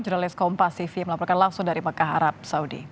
jurnalis kompas cv melaporkan langsung dari mekah arab saudi